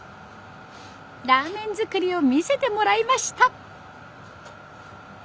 ラーメン作りを見せてもらいました。